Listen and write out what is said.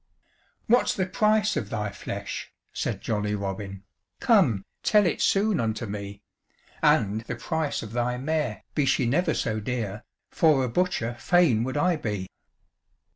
"What's the price of thy flesh?" said jolly Robin, "Come, tell it soon unto me; And the price of thy mare, be she never so dear, For a butcher fain would I be."